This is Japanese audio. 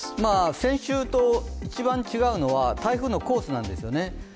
先週と一番違うのは台風のコースなんですよね。